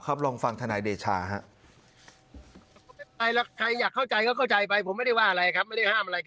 ไม่ได้ห้ามอะไรใคร